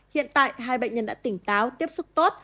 hiện tại hai bệnh nhân đã tỉnh táo tiếp xúc tốt